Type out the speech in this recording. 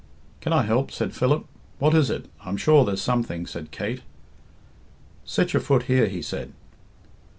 "Can I help?" said Philip. "What is it? I'm sure there's something," said Kate. "Set your foot here," he said.